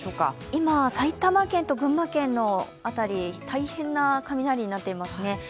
今、埼玉県と群馬県の辺り、大変な雷になっていますね。